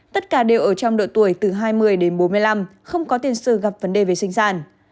tất cả đều ở trong độ tuổi từ hai mươi đến bốn mươi năm không có tiền sự gặp vấn đề về sinh sản